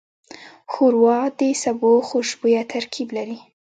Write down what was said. ښوروا د سبو خوشبویه ترکیب لري.